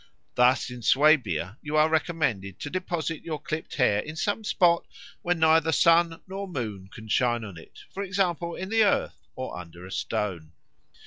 Thus in Swabia you are recommended to deposit your clipped hair in some spot where neither sun nor moon can shine on it, for example in the earth or under a stone.